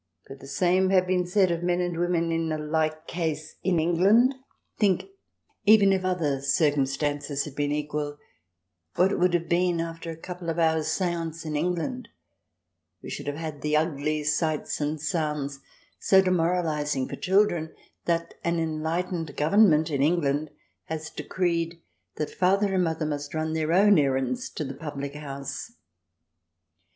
Could the same have been said of men and women in a like case in England ? Think, even if other circumstances had been equal, what it would have been after a couple of hours' seance — in England ! We should have had the ugly sights and sounds so demoralizing for children that an enlightened Government — in England — has decreed that father and mother must run their own errands to the public house.